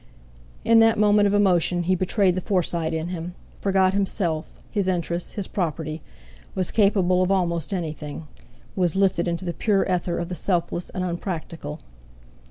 In that moment of emotion he betrayed the Forsyte in him—forgot himself, his interests, his property—was capable of almost anything; was lifted into the pure ether of the selfless and unpractical.